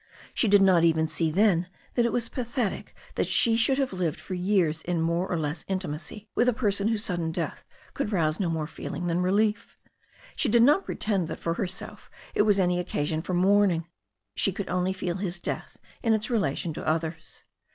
She did not even see then that it was pathetic that she should have lived for years in more or less intimacy with a person whose sudden death could rouse no more feeling than relief. She did not pretend that for herself it was any occasion for mourn ing. She could only feel his death in its relation to others.